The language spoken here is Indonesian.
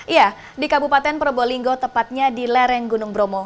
iya di kabupaten probolinggo tepatnya di lereng gunung bromo